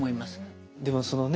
でもそのね